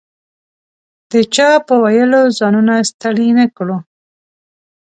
د چا په ویلو ځانونه ستړي نه کړو.